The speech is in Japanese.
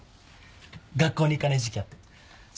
学校に行かない時期あってそ